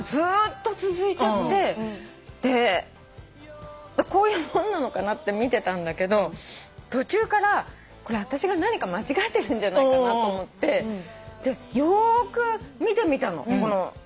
でこういうもんなのかなって見てたんだけど途中からあたしが何か間違えてるんじゃないかなと思ってよーく見てみたの。